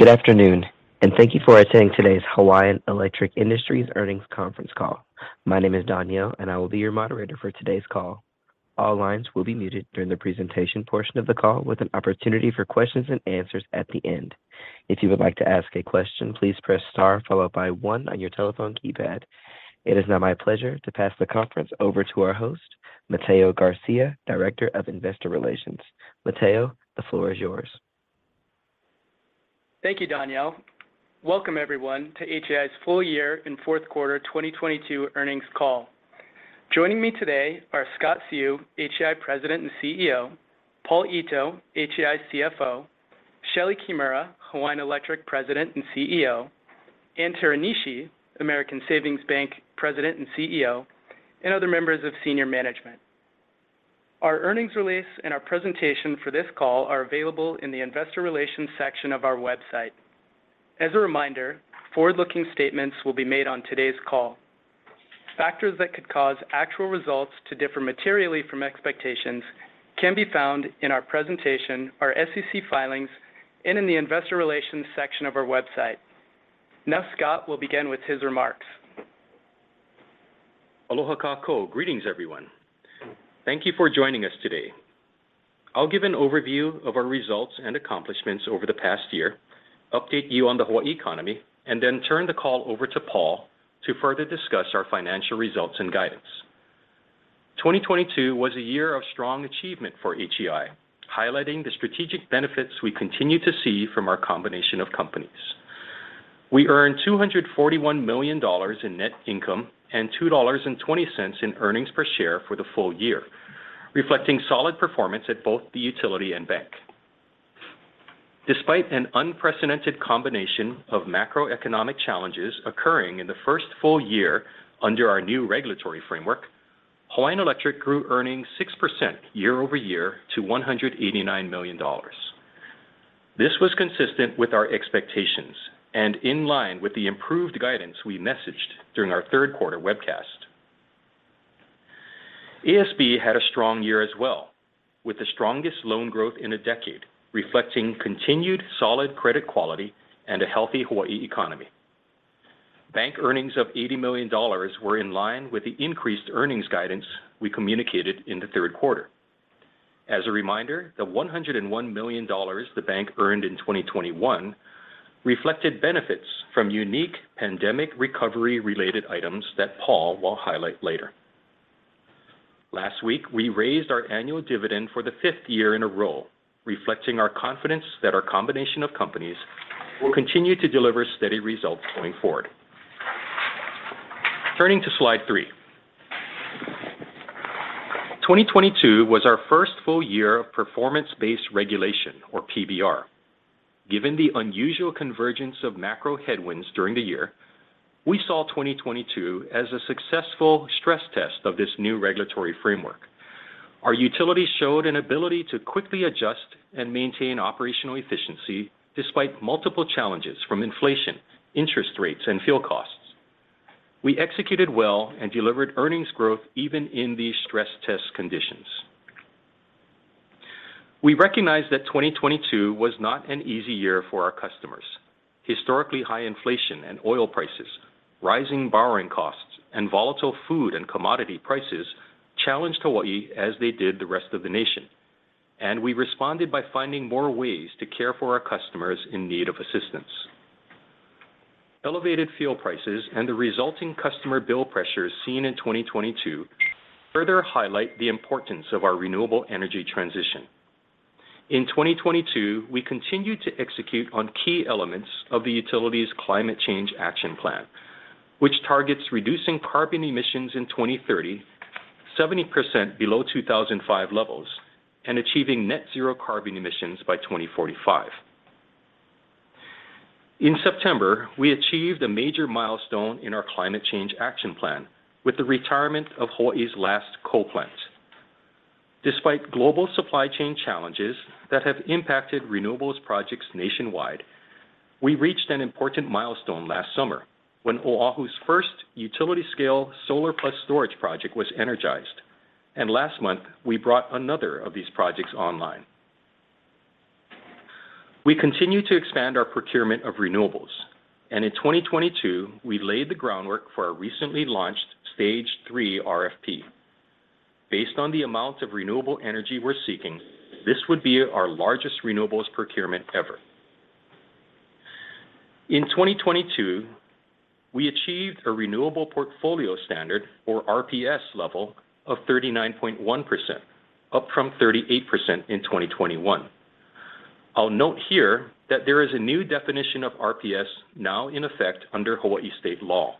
Good afternoon, and thank you for attending today's Hawaiian Electric Industries Earnings Conference Call. My name is Danielle, and I will be your moderator for today's call. All lines will be muted during the presentation portion of the call with an opportunity for questions and answers at the end. If you would like to ask a question, please press star followed by one on your telephone keypad. It is now my pleasure to pass the conference over to our host, Mateo Garcia, Director of Investor Relations. Mateo, the floor is yours. Thank you, Danielle. Welcome everyone to HEI's full year and Q4 2022 earnings call. Joining me today are Scott Seu, HEI President and CEO, Paul Ito, HEI CFO, Shelee Kimura, Hawaiian Electric President and CEO, Ann Teranishi, American Savings Bank President and CEO, and other members of senior management. Our earnings release and our presentation for this call are available in the investor relations section of our website. As a reminder, forward-looking statements will be made on today's call. Factors that could cause actual results to differ materially from expectations can be found in our presentation, our SEC filings, and in the investor relations section of our website. Scott will begin with his remarks. Aloha kākou. Greetings, everyone. Thank you for joining us today. I'll give an overview of our results and accomplishments over the past year, update you on the Hawaii economy, then turn the call over to Paul to further discuss our financial results and guidance. 2022 was a year of strong achievement for HEI, highlighting the strategic benefits we continue to see from our combination of companies. We earned $241 million in net income and $2.20 in earnings per share for the full year, reflecting solid performance at both the utility and bank. Despite an unprecedented combination of macroeconomic challenges occurring in the first full year under our new regulatory framework, Hawaiian Electric grew earnings 6% year-over-year to $189 million. This was consistent with our expectations and in line with the improved guidance we messaged during our Q3 webcast. ASB had a strong year as well, with the strongest loan growth in a decade, reflecting continued solid credit quality and a healthy Hawaii economy. Bank earnings of $80 million were in line with the increased earnings guidance we communicated in the Q3. As a reminder, the $101 million the bank earned in 2021 reflected benefits from unique pandemic recovery-related items that Paul will highlight later. Last week, we raised our annual dividend for the 5th year in a row, reflecting our confidence that our combination of companies will continue to deliver steady results going forward. Turning to slide 3. 2022 was our first full year of performance-based regulation or PBR. Given the unusual convergence of macro headwinds during the year, we saw 2022 as a successful stress test of this new regulatory framework. Our utility showed an ability to quickly adjust and maintain operational efficiency despite multiple challenges from inflation, interest rates, and fuel costs. We executed well and delivered earnings growth even in these stress test conditions. We recognize that 2022 was not an easy year for our customers. Historically high inflation and oil prices, rising borrowing costs, and volatile food and commodity prices challenged Hawaii as they did the rest of the nation, and we responded by finding more ways to care for our customers in need of assistance. Elevated fuel prices and the resulting customer bill pressures seen in 2022 further highlight the importance of our renewable energy transition. In 2022, we continued to execute on key elements of the utility's climate change action plan, which targets reducing carbon emissions in 2030, 70% below 2005 levels, and achieving net zero carbon emissions by 2045. In September, we achieved a major milestone in our climate change action plan with the retirement of Hawaii's last coal plant. Despite global supply chain challenges that have impacted renewables projects nationwide, we reached an important milestone last summer when Oahu's first utility-scale solar plus storage project was energized. Last month, we brought another of these projects online. We continue to expand our procurement of renewables, and in 2022, we laid the groundwork for our recently launched Stage 3 RFP. Based on the amount of renewable energy we're seeking, this would be our largest renewables procurement ever. In 2022, we achieved a Renewable Portfolio Standard or RPS level of 39.1%, up from 38% in 2021. I'll note here that there is a new definition of RPS now in effect under Hawaii state law.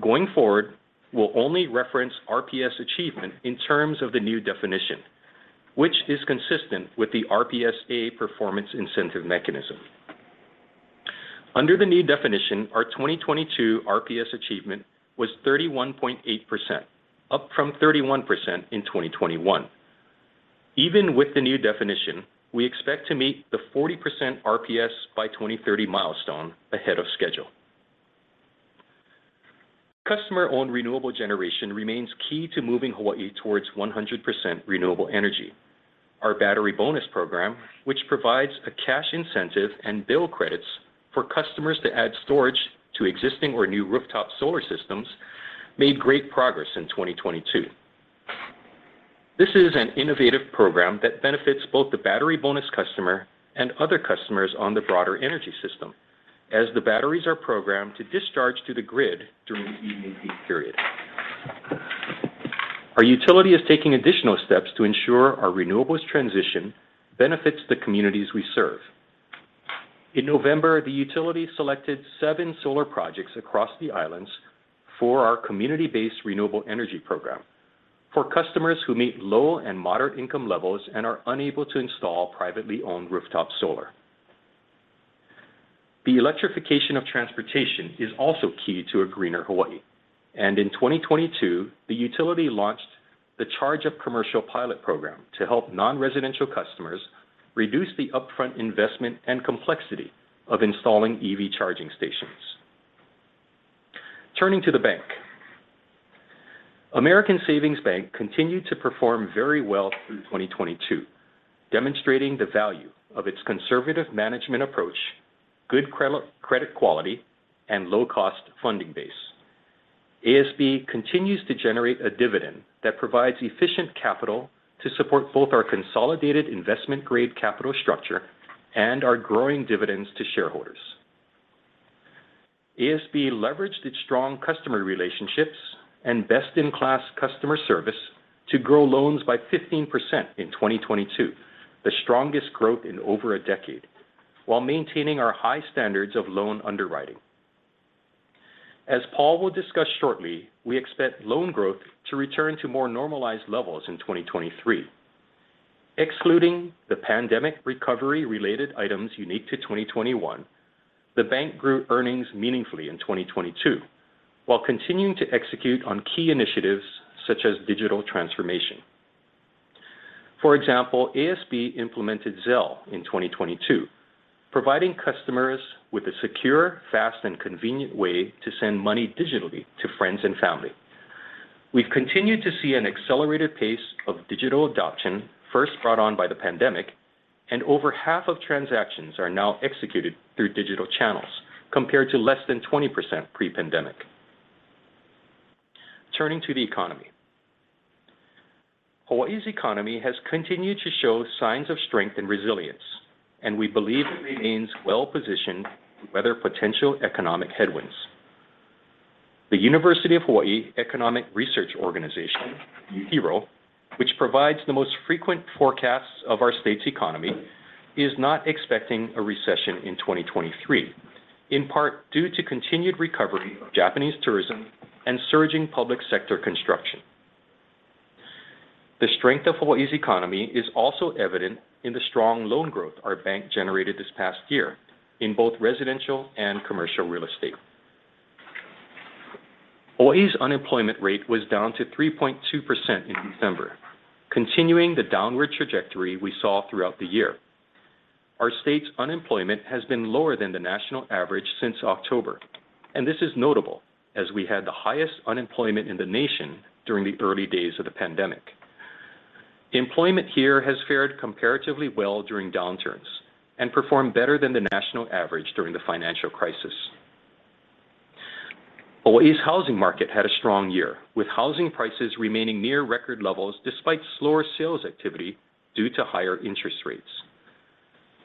Going forward, we'll only reference RPS achievement in terms of the new definition, which is consistent with the RPS-A Performance Incentive Mechanism. Under the new definition, our 2022 RPS achievement was 31.8%, up from 31% in 2021. Even with the new definition, we expect to meet the 40% RPS by 2030 milestone ahead of schedule. Customer-owned renewable generation remains key to moving Hawaii towards 100% renewable energy. Our Battery Bonus program, which provides a cash incentive and bill credits for customers to add storage to existing or new rooftop solar systems, made great progress in 2022. This is an innovative program that benefits both the Battery Bonus customer and other customers on the broader energy system as the batteries are programmed to discharge to the grid during the evening peak period. Our utility is taking additional steps to ensure our renewables transition benefits the communities we serve. In November, the utility selected seven solar projects across the islands for our Community-Based Renewable Energy program for customers who meet low and moderate income levels and are unable to install privately owned rooftop solar. The electrification of transportation is also key to a greener Hawaii. In 2022, the utility launched the Charge Up Commercial pilot program to help non-residential customers reduce the upfront investment and complexity of installing EV charging stations. Turning to the bank. American Savings Bank continued to perform very well through 2022, demonstrating the value of its conservative management approach, good credit quality, and low-cost funding base. ASB continues to generate a dividend that provides efficient capital to support both our consolidated investment grade capital structure and our growing dividends to shareholders. ASB leveraged its strong customer relationships and best-in-class customer service to grow loans by 15% in 2022, the strongest growth in over a decade, while maintaining our high standards of loan underwriting. As Paul will discuss shortly, we expect loan growth to return to more normalized levels in 2023. Excluding the pandemic recovery related items unique to 2021, the bank grew earnings meaningfully in 2022, while continuing to execute on key initiatives such as digital transformation. For example, ASB implemented Zelle in 2022, providing customers with a secure, fast, and convenient way to send money digitally to friends and family. Over half of transactions are now executed through digital channels, compared to less than 20% pre-pandemic. Turning to the economy. Hawaii's economy has continued to show signs of strength and resilience, and we believe it remains well-positioned to weather potential economic headwinds. The University of Hawaii Economic Research Organization, UHERO, which provides the most frequent forecasts of our state's economy, is not expecting a recession in 2023, in part due to continued recovery of Japanese tourism and surging public sector construction. The strength of Hawaii's economy is also evident in the strong loan growth our bank generated this past year in both residential and commercial real estate. Hawaii's unemployment rate was down to 3.2% in December, continuing the downward trajectory we saw throughout the year. Our state's unemployment has been lower than the national average since October, and this is notable as we had the highest unemployment in the nation during the early days of the pandemic. Employment here has fared comparatively well during downturns and performed better than the national average during the financial crisis. Hawaii's housing market had a strong year, with housing prices remaining near record levels despite slower sales activity due to higher interest rates.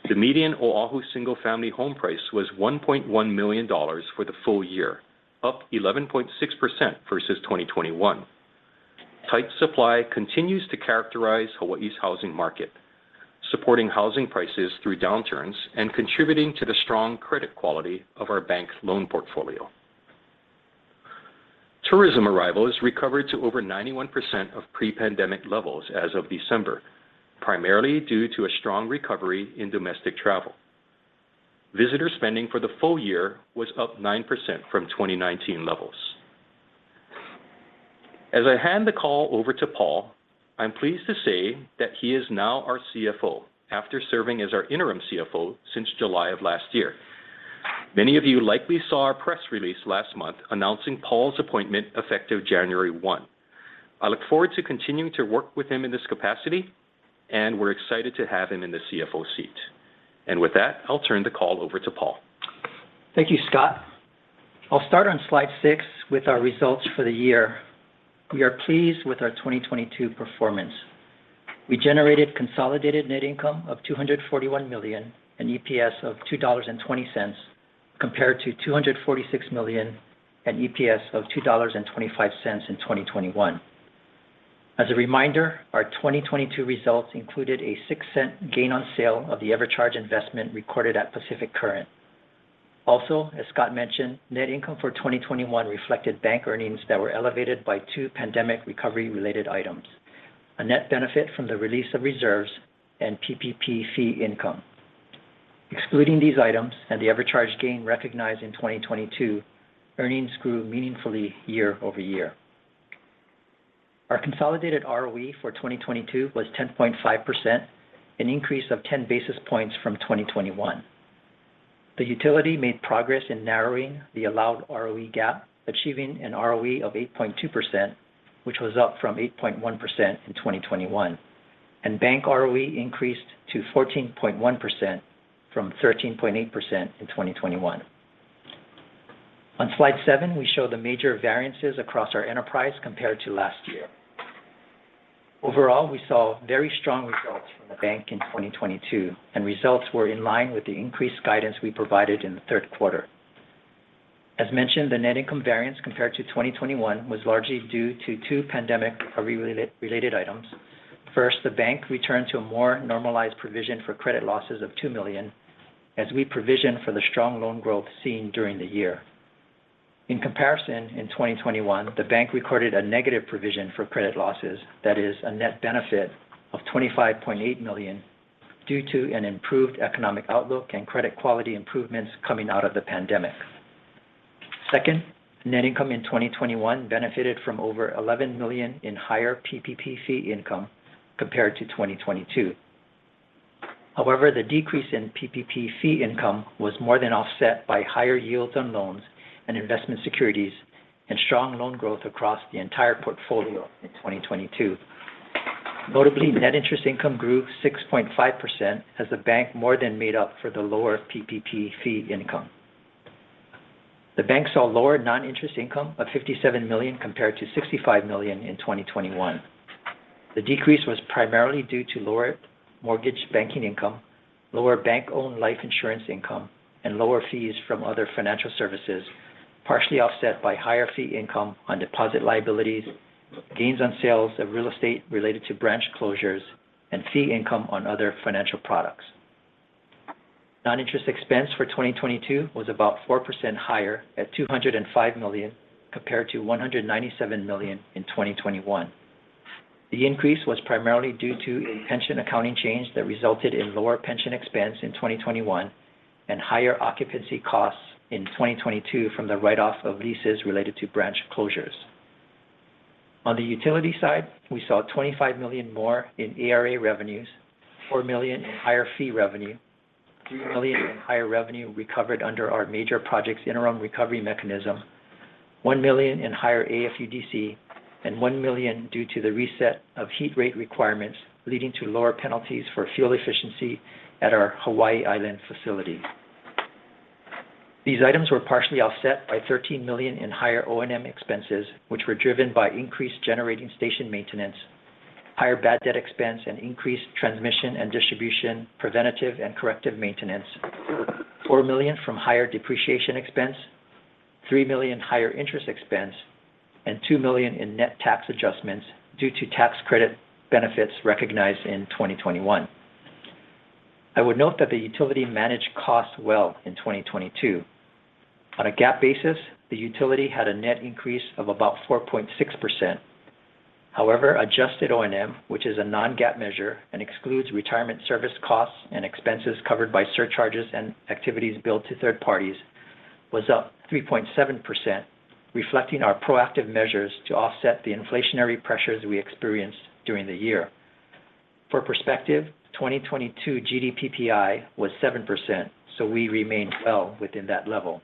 The median Oahu single-family home price was $1.1 million for the full year, up 11.6% versus 2021. Tight supply continues to characterize Hawaii's housing market, supporting housing prices through downturns and contributing to the strong credit quality of our bank loan portfolio. Tourism arrivals recovered to over 91% of pre-pandemic levels as of December, primarily due to a strong recovery in domestic travel. Visitor spending for the full year was up 9% from 2019 levels. As I hand the call over to Paul, I'm pleased to say that he is now our CFO after serving as our interim CFO since July of last year. Many of you likely saw our press release last month announcing Paul's appointment effective January 1. I look forward to continuing to work with him in this capacity, we're excited to have him in the CFO seat. With that, I'll turn the call over to Paul. Thank you, Scott. I'll start on slide 6 with our results for the year. We are pleased with our 2022 performance. We generated consolidated net income of $241 million an EPS of $2.20 compared to $246 million, an EPS of $2.25 in 2021. As a reminder, our 2022 results included a $0.06 gain on sale of the EverCharge investment recorded at Pacific Current. As Scott mentioned, net income for 2021 reflected bank earnings that were elevated by 2 pandemic recovery related items. A net benefit from the release of reserves and PPP fee income. Excluding these items and the EverCharge gain recognized in 2022, earnings grew meaningfully year-over-year. Our consolidated ROE for 2022 was 10.5%, an increase of 10 basis points from 2021. The utility made progress in narrowing the allowed ROE gap, achieving an ROE of 8.2%, which was up from 8.1% in 2021. Bank ROE increased to 14.1% from 13.8% in 2021. On slide 7, we show the major variances across our enterprise compared to last year. Overall, we saw very strong results from the bank in 2022, and results were in line with the increased guidance we provided in the Q3. As mentioned, the net income variance compared to 2021 was largely due to two pandemic-related items. First, the bank returned to a more normalized provision for credit losses of $2 million as we provisioned for the strong loan growth seen during the year. In comparison, in 2021, the bank recorded a negative provision for credit losses that is a net benefit of $25.8 million due to an improved economic outlook and credit quality improvements coming out of the pandemic. Second, net income in 2021 benefited from over $11 million in higher PPP fee income compared to 2022. The decrease in PPP fee income was more than offset by higher yields on loans and investment securities and strong loan growth across the entire portfolio in 2022. Notably, net interest income grew 6.5% as the bank more than made up for the lower PPP fee income. The bank saw lower non-interest income of $57 million compared to $65 million in 2021. The decrease was primarily due to lower mortgage banking income, lower bank-owned life insurance income, and lower fees from other financial services, partially offset by higher fee income on deposit liabilities, gains on sales of real estate related to branch closures, and fee income on other financial products. Non-interest expense for 2022 was about 4% higher at $205 million compared to $197 million in 2021. The increase was primarily due to a pension accounting change that resulted in lower pension expense in 2021 and higher occupancy costs in 2022 from the write-off of leases related to branch closures. On the utility side, we saw $25 million more in ARA revenues, $4 million in higher fee revenue, $3 million in higher revenue recovered under our Major Project Interim Recovery mechanism, $1 million in higher AFUDC, and $1 million due to the reset of heat rate requirements leading to lower penalties for fuel efficiency at our Hawaii Island facility. These items were partially offset by $13 million in higher O&M expenses, which were driven by increased generating station maintenance, higher bad debt expense, and increased transmission and distribution preventative and corrective maintenance, $4 million from higher depreciation expense, $3 million higher interest expense, and $2 million in net tax adjustments due to tax credit benefits recognized in 2021. I would note that the utility managed costs well in 2022. On a GAAP basis, the utility had a net increase of about 4.6%. However, adjusted O&M, which is a non-GAAP measure and excludes retirement service costs and expenses covered by surcharges and activities billed to third parties, was up 3.7%, reflecting our proactive measures to offset the inflationary pressures we experienced during the year. For perspective, 2022 GDPPI was 7%, so we remained well within that level.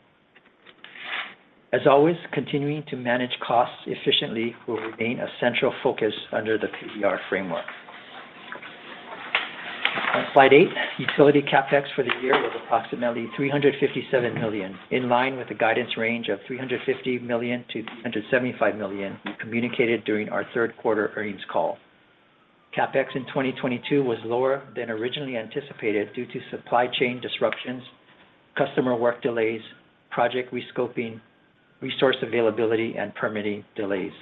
As always, continuing to manage costs efficiently will remain a central focus under the PBR framework. On slide 8, utility CapEx for the year was approximately $357 million, in line with the guidance range of $350 million-$375 million we communicated during our Q3 earnings call. CapEx in 2022 was lower than originally anticipated due to supply chain disruptions, customer work delays, project rescoping, resource availability, and permitting delays.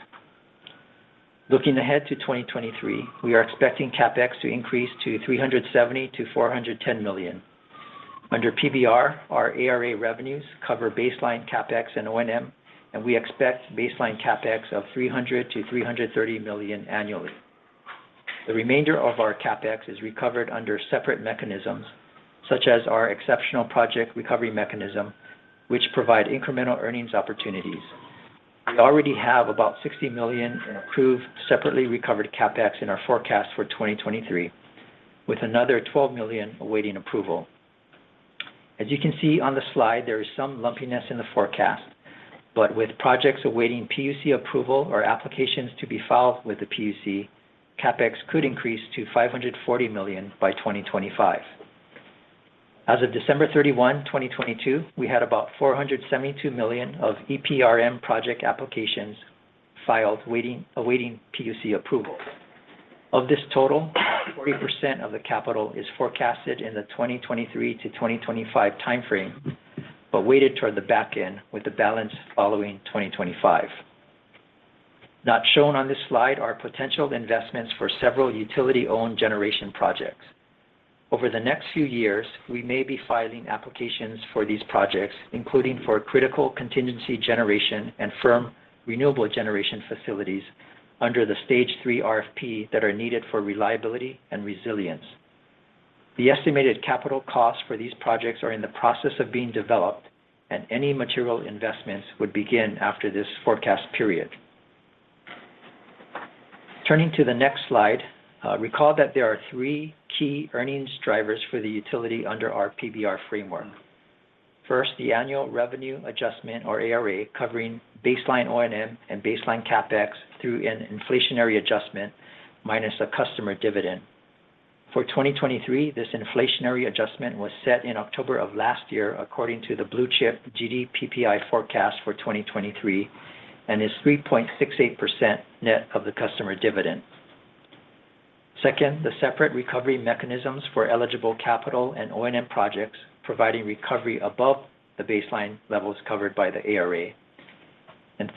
Looking ahead to 2023, we are expecting CapEx to increase to $370 million-$410 million. Under PBR, our ARA revenues cover baseline CapEx and O&M. We expect baseline CapEx of $300 million-$330 million annually. The remainder of our CapEx is recovered under separate mechanisms, such as our Exceptional Project Recovery Mechanism, which provide incremental earnings opportunities. We already have about $60 million in approved separately recovered CapEx in our forecast for 2023, with another $12 million awaiting approval. As you can see on the slide, there is some lumpiness in the forecast. With projects awaiting PUC approval or applications to be filed with the PUC, CapEx could increase to $540 million by 2025. As of December 31, 2022, we had about $472 million of EPRM project applications filed waiting, awaiting PUC approval. Of this total, 40% of the capital is forecasted in the 2023-2025 time frame, but weighted toward the back end, with the balance following 2025. Not shown on this slide are potential investments for several utility-owned generation projects. Over the next few years, we may be filing applications for these projects, including for critical contingency generation and firm renewable generation facilities under the Stage 3 RFP that are needed for reliability and resilience. The estimated capital costs for these projects are in the process of being developed, and any material investments would begin after this forecast period. Turning to the next slide, recall that there are 3 key earnings drivers for the utility under our PBR framework. First, the Annual Revenue Adjustment or ARA covering baseline O&M and baseline CapEx through an inflationary adjustment minus a customer dividend. For 2023, this inflationary adjustment was set in October of last year according to the Blue Chip GDPPI forecast for 2023 and is 3.68% net of the customer dividend. Second, the separate recovery mechanisms for eligible capital and O&M projects providing recovery above the baseline levels covered by the ARA.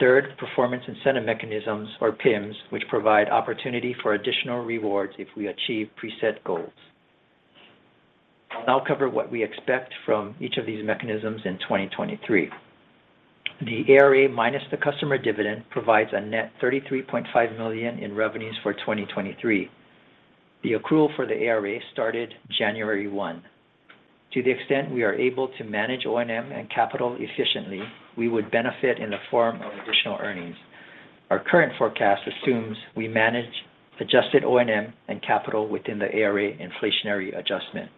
Third, Performance Incentive Mechanisms or PIMs, which provide opportunity for additional rewards if we achieve preset goals. I'll now cover what we expect from each of these mechanisms in 2023. The ARA minus the customer dividend provides a net $33.5 million in revenues for 2023. The accrual for the ARA started January 1. To the extent we are able to manage O&M and capital efficiently, we would benefit in the form of additional earnings. Our current forecast assumes we manage adjusted O&M and capital within the ARA inflationary adjustment.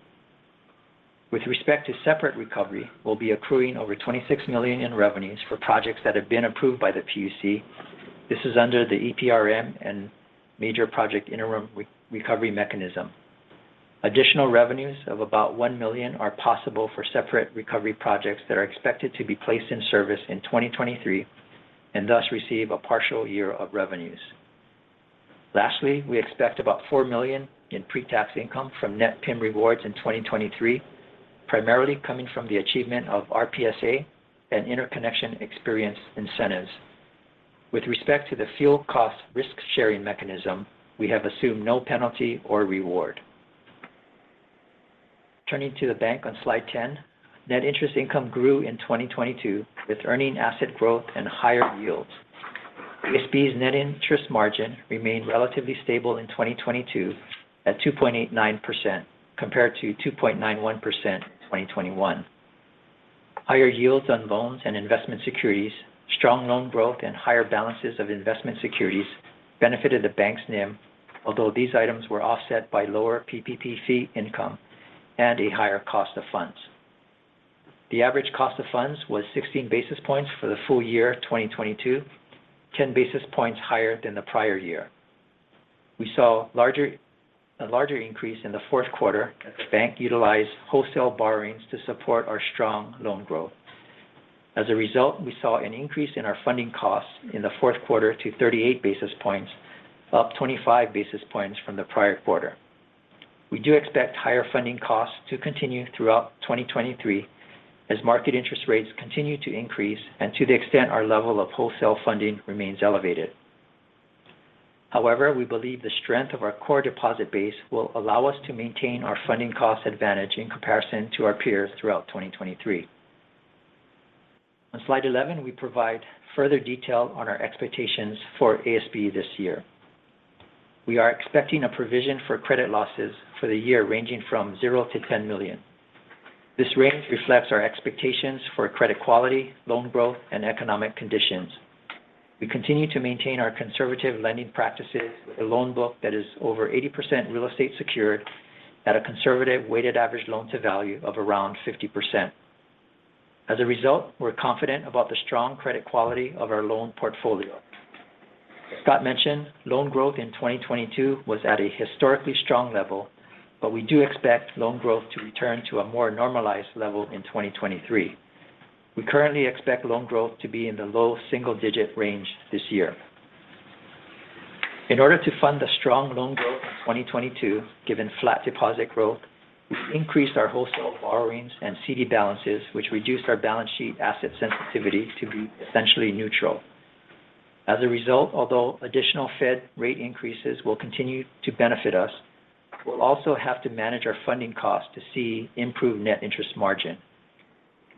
With respect to separate recovery, we'll be accruing over $26 million in revenues for projects that have been approved by the PUC. This is under the EPRM and Major Project Interim Recovery mechanism. Additional revenues of about $1 million are possible for separate recovery projects that are expected to be placed in service in 2023 and thus receive a partial year of revenues. Lastly, we expect about $4 million in pre-tax income from net PIM rewards in 2023, primarily coming from the achievement of RPS-A and interconnection experience incentives. With respect to the fuel cost risk-sharing mechanism, we have assumed no penalty or reward. Turning to the bank on slide 10, net interest income grew in 2022 with earning asset growth and higher yields. ASB's net interest margin remained relatively stable in 2022 at 2.89% compared to 2.91% in 2021. Higher yields on loans and investment securities, strong loan growth, and higher balances of investment securities benefited the bank's NIM, although these items were offset by lower PPP fee income and a higher cost of funds. The average cost of funds was 16 basis points for the full year of 2022, 10 basis points higher than the prior year. We saw a larger increase in the Q4 as the bank utilized wholesale borrowings to support our strong loan growth. As a result, we saw an increase in our funding costs in the Q4 to 38 basis points, up 25 basis points from the prior quarter. We do expect higher funding costs to continue throughout 2023 as market interest rates continue to increase and to the extent our level of wholesale funding remains elevated. However, we believe the strength of our core deposit base will allow us to maintain our funding cost advantage in comparison to our peers throughout 2023. On slide 11, we provide further detail on our expectations for ASB this year. We are expecting a provision for credit losses for the year ranging from 0-$10 million. This range reflects our expectations for credit quality, loan growth, and economic conditions. We continue to maintain our conservative lending practices with a loan book that is over 80% real estate secured at a conservative weighted average loan to value of around 50%. As a result, we're confident about the strong credit quality of our loan portfolio. Scott mentioned loan growth in 2022 was at a historically strong level, but we do expect loan growth to return to a more normalized level in 2023. We currently expect loan growth to be in the low single-digit range this year. In order to fund the strong loan growth in 2022, given flat deposit growth, we've increased our wholesale borrowings and CD balances, which reduced our balance sheet asset sensitivity to be essentially neutral. As a result, although additional Fed rate increases will continue to benefit us, we'll also have to manage our funding costs to see improved net interest margin.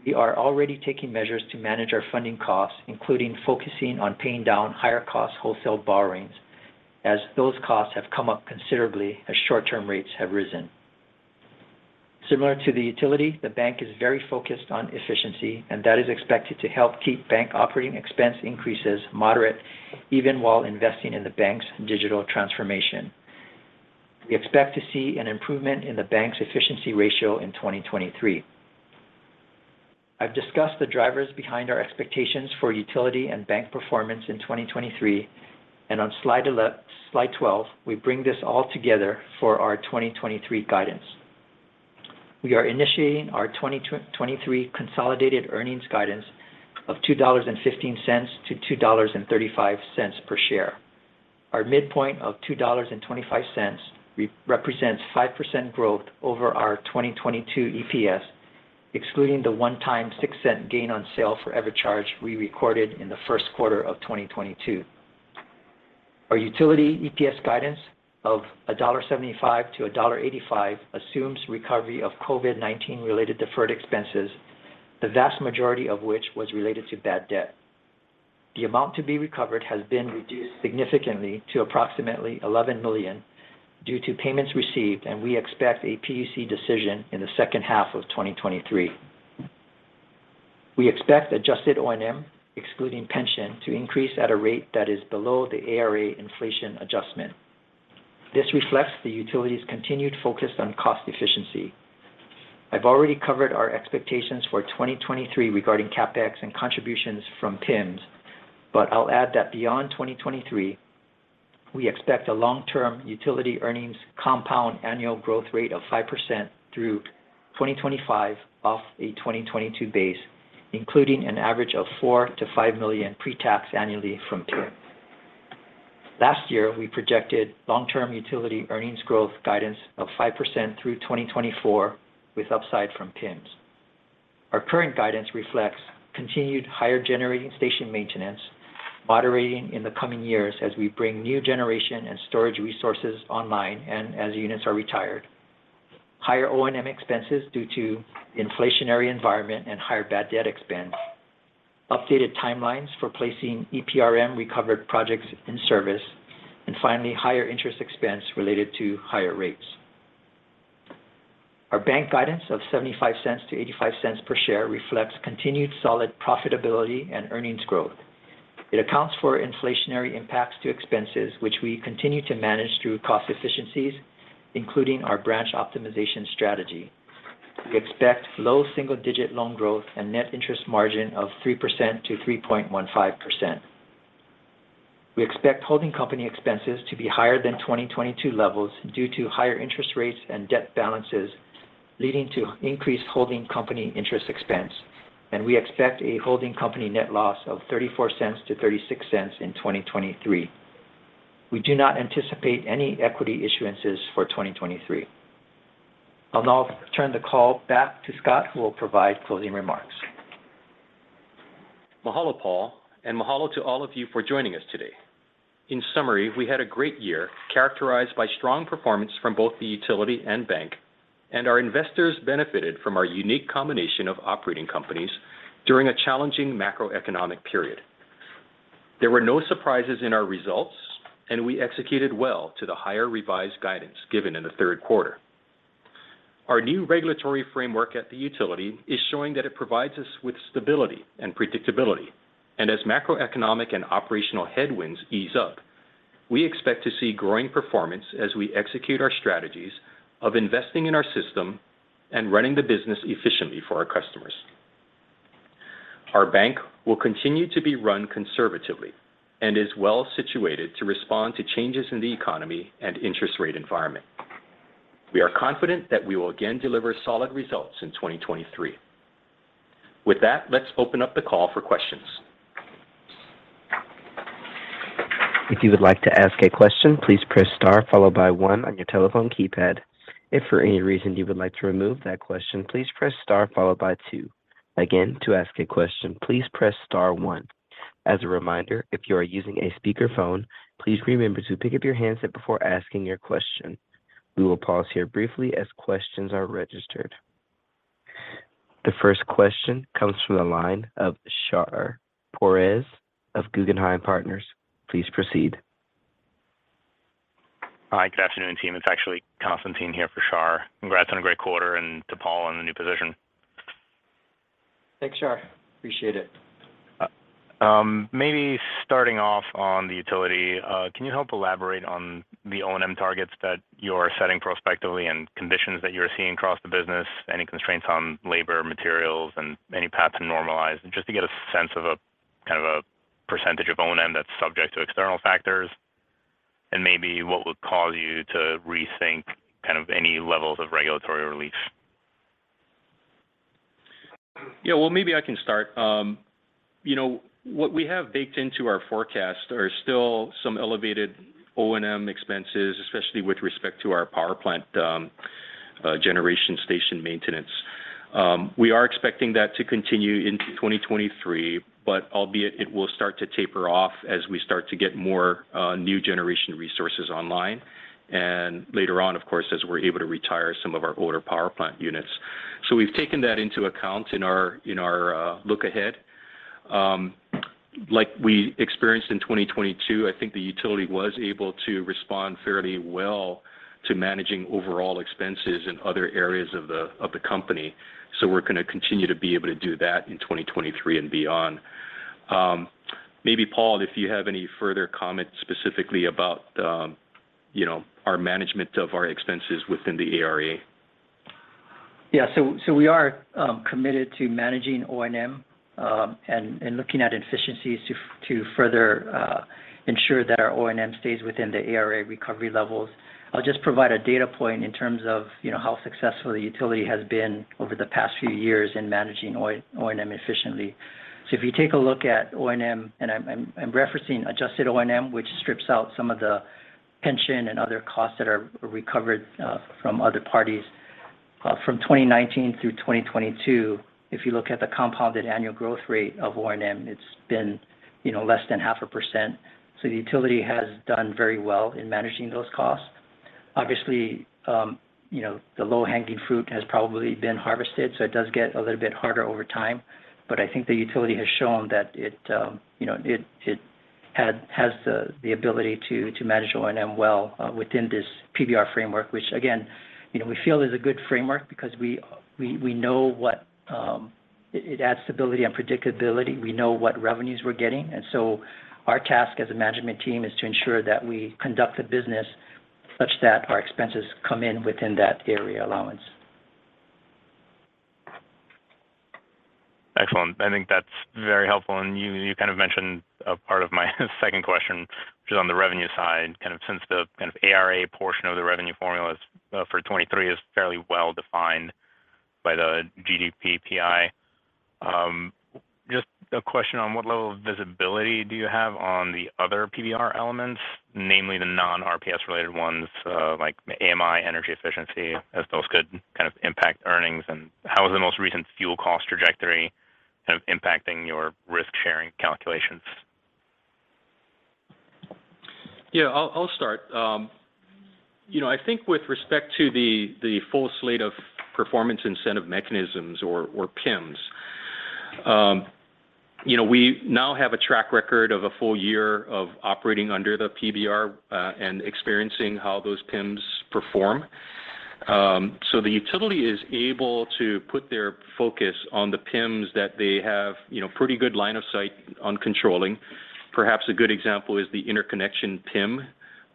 We are already taking measures to manage our funding costs, including focusing on paying down higher cost wholesale borrowings as those costs have come up considerably as short-term rates have risen. Similar to the utility, the bank is very focused on efficiency. That is expected to help keep bank operating expense increases moderate even while investing in the bank's digital transformation. We expect to see an improvement in the bank's efficiency ratio in 2023. I've discussed the drivers behind our expectations for utility and bank performance in 2023. On slide 12, we bring this all together for our 2023 guidance. We are initiating our 2023 consolidated earnings guidance of $2.15 to $2.35 per share. Our midpoint of $2.25 re-represents 5% growth over our 2022 EPS, excluding the one-time $0.06 gain on sale for EverCharge we recorded in the Q1 of 2022. Our utility EPS guidance of $1.75-$1.85 assumes recovery of COVID-19 related deferred expenses, the vast majority of which was related to bad debt. The amount to be recovered has been reduced significantly to approximately $11 million due to payments received, and we expect a PUC decision in the second half of 2023. We expect adjusted O&M, excluding pension, to increase at a rate that is below the ARA inflation adjustment. This reflects the utility's continued focus on cost efficiency. I've already covered our expectations for 2023 regarding CapEx and contributions from PIMs. I'll add that beyond 2023, we expect a long-term utility earnings compound annual growth rate of 5% through 2025 off a 2022 base, including an average of $4 million-$5 million pre-tax annually from PIM. Last year, we projected long-term utility earnings growth guidance of 5% through 2024 with upside from PIMs. Our current guidance reflects continued higher generating station maintenance, moderating in the coming years as we bring new generation and storage resources online and as units are retired. Higher O&M expenses due to inflationary environment and higher bad debt expense. Updated timelines for placing EPRM recovered projects in service. Finally, higher interest expense related to higher rates. Our bank guidance of $0.75-$0.85 per share reflects continued solid profitability and earnings growth. It accounts for inflationary impacts to expenses, which we continue to manage through cost efficiencies, including our branch optimization strategy. We expect low single-digit loan growth and net interest margin of 3%-3.15%. We expect holding company expenses to be higher than 2022 levels due to higher interest rates and debt balances, leading to increased holding company interest expense. We expect a holding company net loss of $0.34-$0.36 in 2023. We do not anticipate any equity issuances for 2023. I'll now turn the call back to Scott, who will provide closing remarks. Mahalo, Paul. Mahalo to all of you for joining us today. In summary, we had a great year characterized by strong performance from both the utility and bank, and our investors benefited from our unique combination of operating companies during a challenging macroeconomic period. There were no surprises in our results, and we executed well to the higher revised guidance given in the Q3. Our new regulatory framework at the utility is showing that it provides us with stability and predictability. As macroeconomic and operational headwinds ease up, we expect to see growing performance as we execute our strategies of investing in our system and running the business efficiently for our customers. Our bank will continue to be run conservatively and is well situated to respond to changes in the economy and interest rate environment. We are confident that we will again deliver solid results in 2023. With that, let's open up the call for questions. If you would like to ask a question, please press star followed by 1 on your telephone keypad. If for any reason you would like to remove that question, please press star followed by 2. Again, to ask a question, please press star 1. As a reminder, if you are using a speakerphone, please remember to pick up your handset before asking your question. We will pause here briefly as questions are registered. The first question comes from the line of Constantine of Guggenheim Partners. Please proceed. Hi. Good afternoon, team. It's actually Constantine here for Char. Congrats on a great quarter and to Paul on the new position. Thanks, Shar. Appreciate it. Maybe starting off on the utility, can you help elaborate on the O&M targets that you're setting prospectively and conditions that you're seeing across the business? Any constraints on labor, materials, and any path to normalize? Just to get a sense of kind of a percentage of O&M that's subject to external factors. Maybe what would cause you to rethink kind of any levels of regulatory relief? Yeah. Well, maybe I can start. You know, what we have baked into our forecast are still some elevated O&M expenses, especially with respect to our power plant, generation station maintenance. We are expecting that to continue into 2023, but albeit it will start to taper off as we start to get more new generation resources online. Later on, of course, as we're able to retire some of our older power plant units. We've taken that into account in our, in our, look-ahead. Like we experienced in 2022, I think the utility was able to respond fairly well to managing overall expenses in other areas of the, of the company. We're gonna continue to be able to do that in 2023 and beyond. Maybe, Paul, if you have any further comments specifically about, our management of our expenses within the ARA. We are committed to managing O&M and looking at efficiencies to further ensure that our O&M stays within the ARA recovery levels. I'll just provide a data point in terms of, how successful the utility has been over the past few years in managing O&M efficiently. If you take a look at O&M, and I'm referencing adjusted O&M, which strips out some of the pension and other costs that are recovered from other parties. From 2019 through 2022, if you look at the compounded annual growth rate of O&M, it's been, less than half a %. The utility has done very well in managing those costs. Obviously, the low-hanging fruit has probably been harvested, so it does get a little bit harder over time. I think the utility has shown that it has the ability to manage O&M well within this PBR framework. Which again, we feel is a good framework because we know what. It adds stability and predictability. We know what revenues we're getting. So our task as a management team is to ensure that we conduct the business such that our expenses come in within that area allowance. Excellent. I think that's very helpful. You kind of mentioned a part of my second question, which is on the revenue side. Since the ARA portion of the revenue formula is for 2023 is fairly well-defined by the GDPPI. Just a question on what level of visibility do you have on the other PBR elements, namely the non-RPS related ones, like AMI energy efficiency, as those could kind of impact earnings? How is the most recent fuel cost trajectory kind of impacting your risk-sharing calculations? I'll start. You know, I think with respect to the full slate of Performance Incentive Mechanisms or PIMs, we now have a track record of a full year of operating under the PBR and experiencing how those PIMs perform. The utility is able to put their focus on the PIMs that they have, pretty good line of sight on controlling. Perhaps a good example is the interconnection PIM,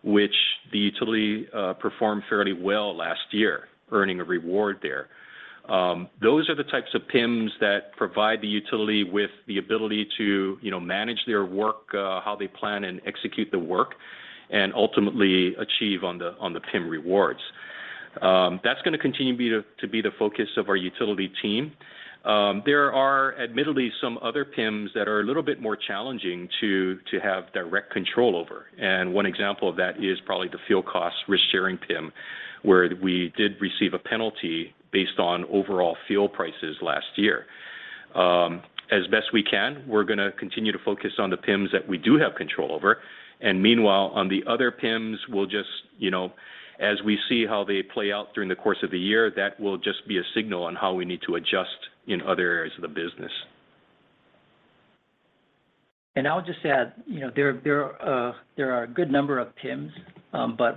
which the utility performed fairly well last year, earning a reward there. Those are the types of PIMs that provide the utility with the ability to, manage their work, how they plan and execute the work, and ultimately achieve on the, on the PIM rewards. That's gonna continue to be the focus of our utility team. There are admittedly some other PIMs that are a little bit more challenging to have direct control over. One example of that is probably the fuel costs risk-sharing PIM, where we did receive a penalty based on overall fuel prices last year. As best we can, we're gonna continue to focus on the PIMs that we do have control over. Meanwhile, on the other PIMs, we'll just, as we see how they play out during the course of the year, that will just be a signal on how we need to adjust in other areas of the business. I'll just add, there are a good number of PIMs.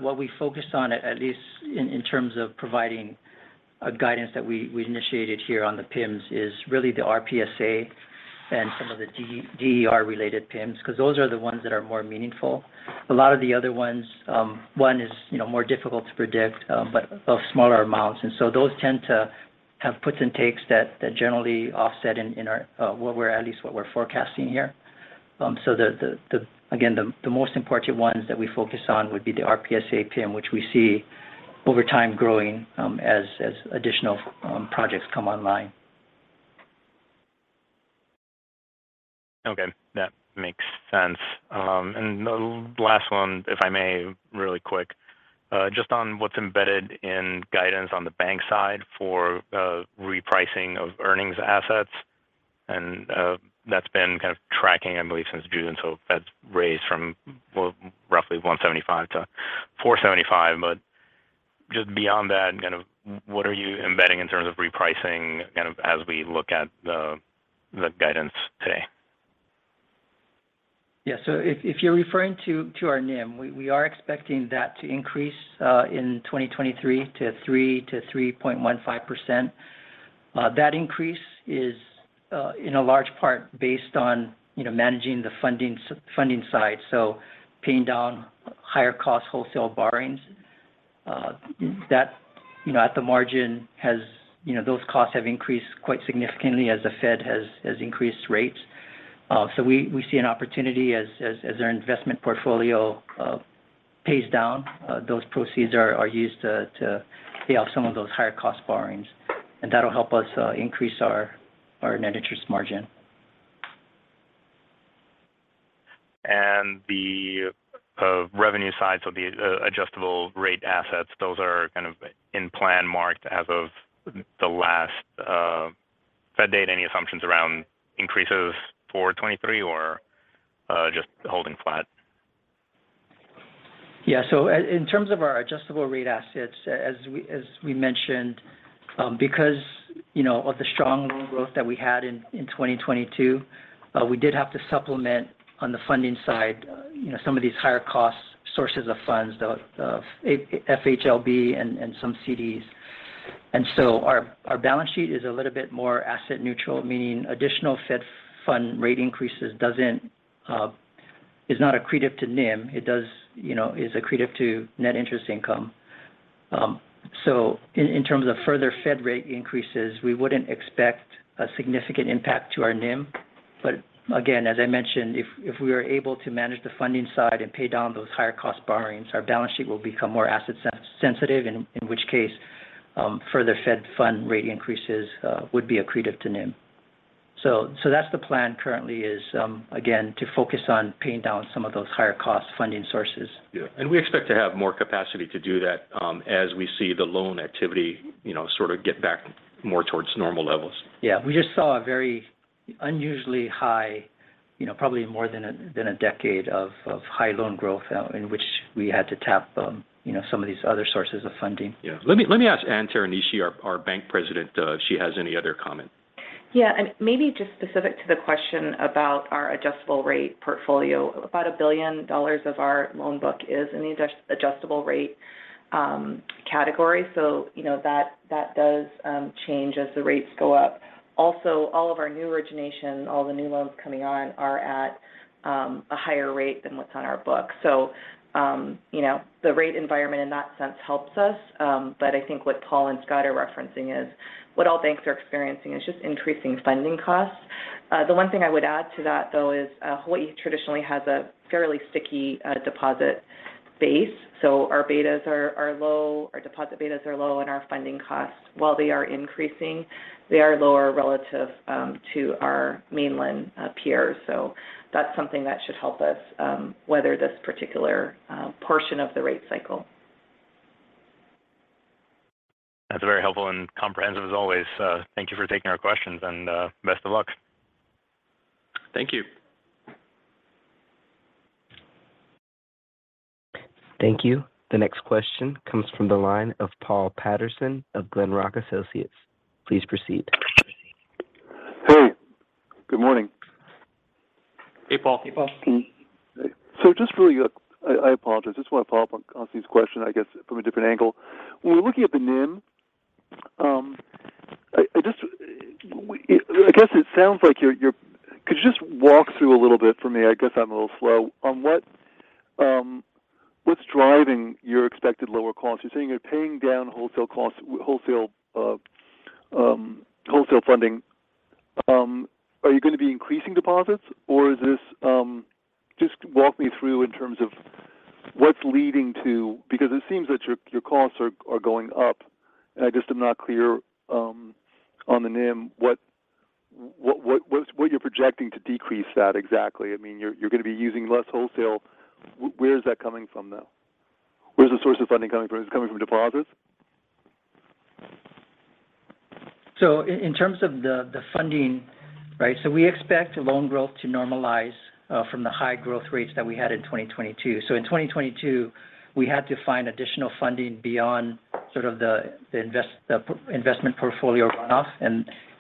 What we focused on at least in terms of providing a guidance that we initiated here on the PIMs is really the RPSA and some of the DER related PIMs, because those are the ones that are more meaningful. A lot of the other ones, one is, more difficult to predict, but of smaller amounts. Those tend to have puts and takes that generally offset in our, at least what we're forecasting here. The, again, the most important ones that we focus on would be the RPSA PIM, which we see over time growing as additional projects come online. Okay. That makes sense. The last one, if I may, really quick. Just on what's embedded in guidance on the bank side for repricing of earnings assets, that's been tracking, I believe, since June. That's raised from roughly 175 to 475. Just beyond that, what are you embedding in terms of repricing as we look at the guidance today? Yeah. If you're referring to our NIM, we are expecting that to increase in 2023 to 3% to 3.15%. That increase is in a large part based on, managing the funding side. Paying down higher cost wholesale borrowings. That, at the margin has, those costs have increased quite significantly as the Fed has increased rates. We see an opportunity as our investment portfolio pays down, those proceeds are used to pay off some of those higher cost borrowings. That'll help us increase our net interest margin. The revenue side, the adjustable rate assets, those are kind of in plan marked as of the last Fed date. Any assumptions around increases for 2023 or just holding flat? In terms of our adjustable rate assets, as we mentioned, because, of the strong loan growth that we had in 2022, we did have to supplement on the funding side, some of these higher cost sources of funds, the FHLB and some CDs. Our balance sheet is a little bit more asset neutral, meaning additional Fed fund rate increases doesn't is not accretive to NIM. It does, is accretive to net interest income. In terms of further Fed rate increases, we wouldn't expect a significant impact to our NIM. Again, as I mentioned, if we are able to manage the funding side and pay down those higher cost borrowings, our balance sheet will become more asset sensitive, in which case, further Fed fund rate increases would be accretive to NIM. That's the plan currently is again, to focus on paying down some of those higher cost funding sources. Yeah. We expect to have more capacity to do that, as we see the loan activity, sort of get back more towards normal levels. Yeah. We just saw a very unusually high, probably more than a decade of high loan growth, in which we had to tap, some of these other sources of funding. Yeah. Let me ask Ann Teranishi, our bank president, if she has any other comment. Yeah. Maybe just specific to the question about our adjustable rate portfolio. About $1 billion of our loan book is in the adjustable rate category. You know that does change as the rates go up. All of our new origination, all the new loans coming on are at a higher rate than what's on our book. You know, the rate environment in that sense helps us. I think what Paul and Scott are referencing is what all banks are experiencing is just increasing funding costs. The one thing I would add to that, though, is Hawaii traditionally has a fairly sticky deposit base, so our betas are low, our deposit betas are low, and our funding costs, while they are increasing, they are lower relative to our mainland peers. That's something that should help us weather this particular portion of the rate cycle. That's very helpful and comprehensive as always. Thank you for taking our questions, and, best of luck. Thank you. Thank you. The next question comes from the line of Paul Patterson of Glenrock Associates. Please proceed. Hey, good morning. Hey, Paul. Hey, Paul. Just really, I apologize. I just want to follow up on Austin's question, I guess, from a different angle. When we're looking at the NIM, I just, I guess it sounds like you're... Could you just walk through a little bit for me, I guess I'm a little slow, on what's driving your expected lower costs? You're saying you're paying down wholesale costs, wholesale funding. Are you going to be increasing deposits or is this? Just walk me through in terms of what's leading to... Because it seems that your costs are going up. I just am not clear on the NIM, what is, what you're projecting to decrease that exactly. I mean, you're going to be using less wholesale. Where is that coming from, though? Where is the source of funding coming from? Is it coming from deposits? In terms of the funding, right? We expect loan growth to normalize from the high growth rates that we had in 2022. In 2022, we had to find additional funding beyond sort of the investment portfolio runoff.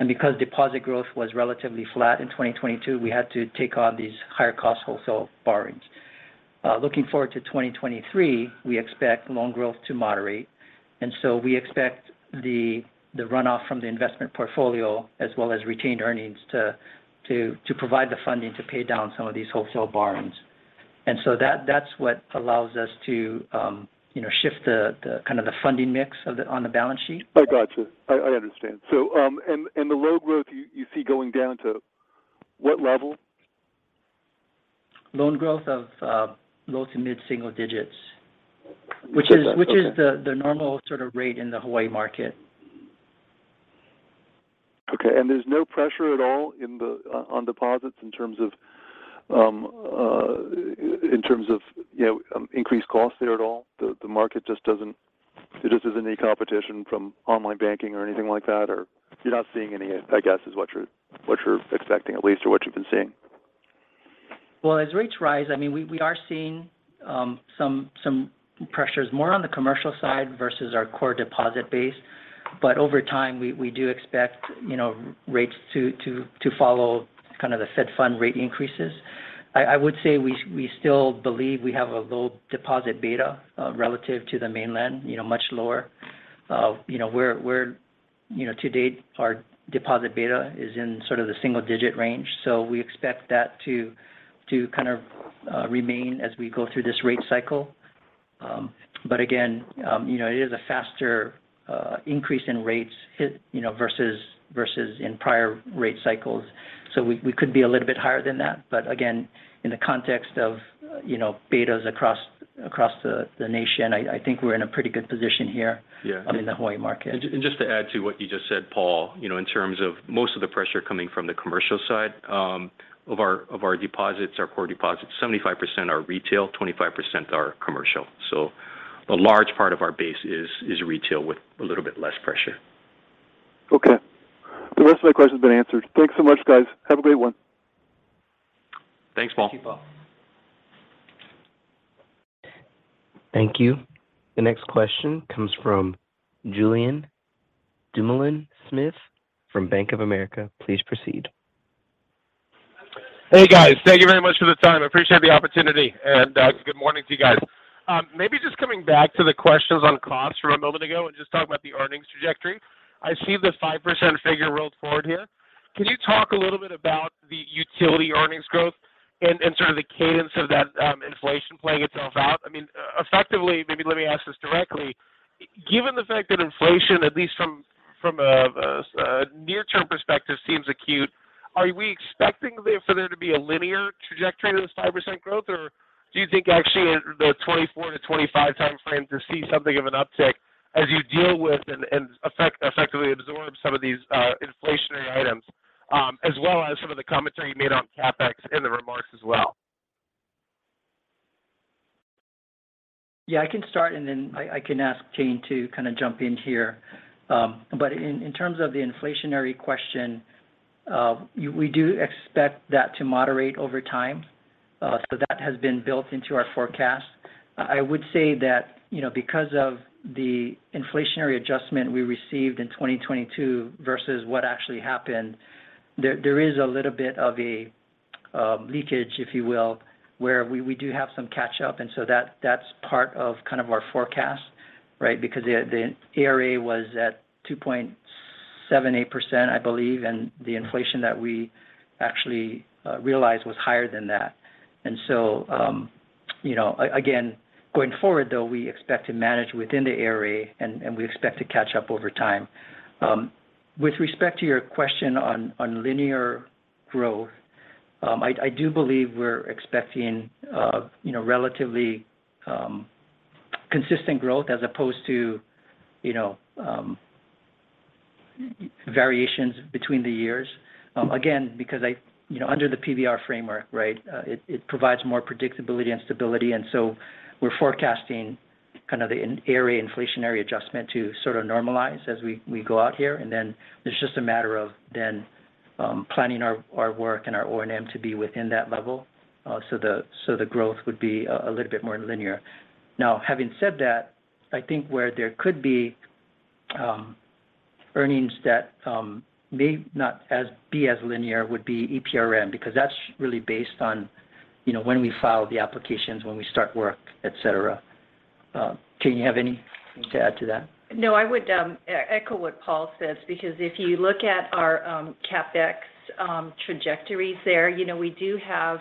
Because deposit growth was relatively flat in 2022, we had to take on these higher cost wholesale borrowings. Looking forward to 2023, we expect loan growth to moderate, and so we expect the runoff from the investment portfolio as well as retained earnings to provide the funding to pay down some of these wholesale borrowings. That's what allows us to, shift the kind of the funding mix of the, on the balance sheet. Oh, gotcha. I understand. The low growth you see going down to what level? Loan growth of, low to mid single digits. Okay. Which is the normal sort of rate in the Hawaii market. Okay. There's no pressure at all in the, on deposits in terms of, in terms of, increased costs there at all? The market just doesn't, there just isn't any competition from online banking or anything like that, or you're not seeing any, I guess, is what you're expecting, at least, or what you've been seeing? Well, as rates rise, I mean, we are seeing some pressures more on the commercial side versus our core deposit base. Over time, we do expect, rates to follow kind of the Fed fund rate increases. I would say we still believe we have a low deposit beta relative to the mainland, much lower. You know, to date, our deposit beta is in sort of the single-digit range. We expect that to kind of remain as we go through this rate cycle. Again, it is a faster increase in rates versus, versus in prior rate cycles. We could be a little bit higher than that. Again, in the context of, betas across the nation, I think we're in a pretty good position here. Yeah. in the Hawaii market. Just to add to what you just said, Paul, in terms of most of the pressure coming from the commercial side, of our deposits, our core deposits, 75% are retail, 25% are commercial. A large part of our base is retail with a little bit less pressure. Okay. The rest of my question's been answered. Thanks so much, guys. Have a great one. Thanks, Paul. Thank you, Paul. Thank you. The next question comes from Julien Dumoulin-Smith from Bank of America. Please proceed. Hey, guys. Thank you very much for the time. I appreciate the opportunity. Good morning to you guys. Maybe just coming back to the questions on costs from a moment ago and just talk about the earnings trajectory. I see the 5% figure rolled forward here. Can you talk a little bit about the utility earnings growth and sort of the cadence of that, inflation playing itself out? I mean, effectively, maybe let me ask this directly. Given the fact that inflation, at least from a near-term perspective seems acute, are we expecting for there to be a linear trajectory of this 5% growth? Do you think actually the 2024 to 2025 time frame to see something of an uptick as you deal with and effectively absorb some of these inflationary items, as well as some of the commentary you made on CapEx in the remarks as well? Yeah, I can start, and then I can ask Jane to kind of jump in here. But in terms of the inflationary question, we do expect that to moderate over time. That has been built into our forecast. I would say that, because of the inflationary adjustment we received in 2022 versus what actually happened, there is a little bit of a leakage, if you will, where we do have some catch up. That's part of kind of our forecast, right? Because the ARA was at 2.78%, I believe, and the inflation that we actually realized was higher than that. You know, again, going forward though, we expect to manage within the ARA and we expect to catch up over time. With respect to your question on linear growth, I do believe we're expecting, relatively consistent growth as opposed to, variations between the years. Again, because, under the PBR framework, right, it provides more predictability and stability, so we're forecasting kind of the ARA inflationary adjustment to sort of normalize as we go out here. Then it's just a matter of then, planning our work and our O&M to be within that level, so the growth would be a little bit more linear. Having said that, I think where there could be earnings that may not be as linear would be EPRM, because that's really based on, when we file the applications, when we start work, et cetera. Jane, you have anything to add to that? No, I would echo what Paul says because if you look at our CapEx trajectories there, we do have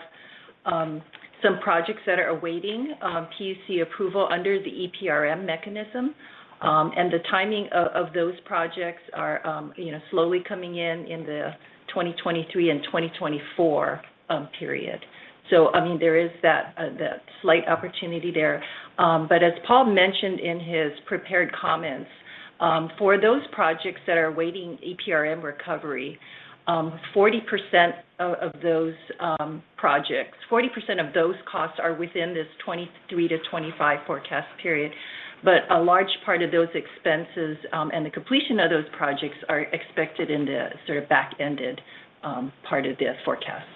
some projects that are awaiting PUC approval under the EPRM mechanism. The timing of those projects are, slowly coming in in the 2023 and 2024 period. I mean, there is that slight opportunity there. As Paul mentioned in his prepared comments, for those projects that are awaiting EPRM recovery, 40% of those projects, 40% of those costs are within this 2023 to 2025 forecast period. A large part of those expenses, and the completion of those projects are expected in the sort of back-ended part of this forecast.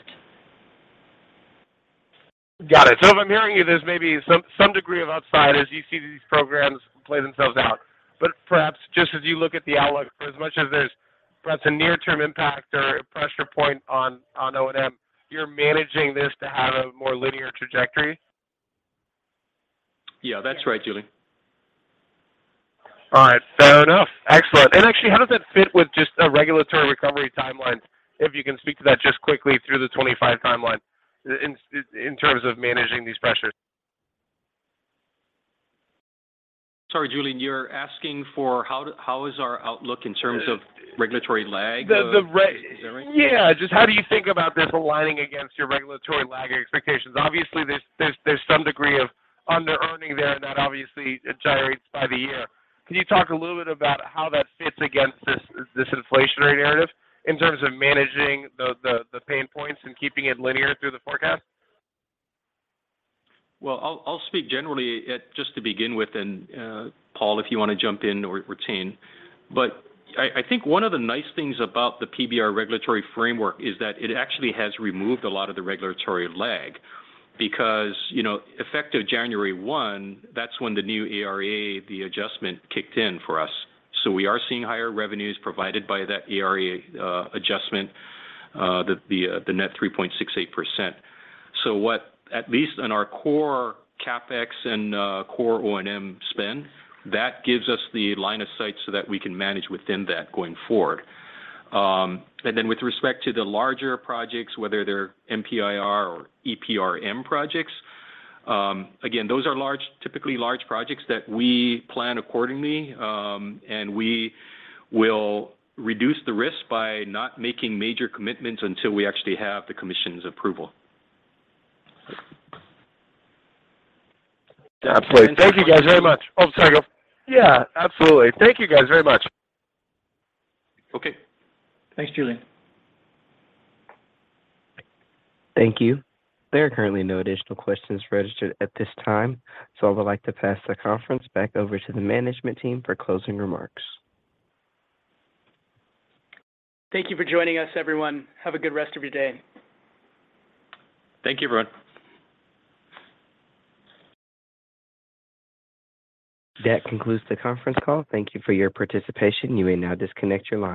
Got it. If I'm hearing you, there's maybe some degree of upside as you see these programs play themselves out. Perhaps just as you look at the outlook, for as much as there's perhaps a near-term impact or a pressure point on O&M, you're managing this to have a more linear trajectory? Yeah, that's right, Julian. All right. Fair enough. Excellent. Actually, how does that fit with just a regulatory recovery timeline? If you can speak to that just quickly through the 2025 timeline in terms of managing these pressures. Sorry, Julian. You're asking for how is our outlook in terms of regulatory lag? The Is that right? Yeah. Just how do you think about this aligning against your regulatory lag expectations? Obviously, there's some degree of under-earning there, that obviously it gyrates by the year. Can you talk a little bit about how that fits against this inflationary narrative in terms of managing the pain points and keeping it linear through the forecast? Well, I'll speak generally just to begin with and Paul, if you wanna jump in or Jane. I think one of the nice things about the PBR regulatory framework is that it actually has removed a lot of the regulatory lag because, effective January 1, that's when the new ARA, the adjustment kicked in for us. We are seeing higher revenues provided by that ARA adjustment, the net 3.68%. What at least on our core CapEx and core O&M spend, that gives us the line of sight so that we can manage within that going forward. Then with respect to the larger projects, whether they're MPIR or EPRM projects, again, those are large, typically large projects that we plan accordingly, and we will reduce the risk by not making major commitments until we actually have the commission's approval. Absolutely. Thank you guys very much. Oh, sorry, go. Yeah, absolutely. Thank you guys very much. Okay. Thanks, Julian. Thank you. There are currently no additional questions registered at this time, so I would like to pass the conference back over to the management team for closing remarks. Thank you for joining us, everyone. Have a good rest of your day. Thank you, everyone. That concludes the conference call. Thank you for your participation. You may now disconnect your line.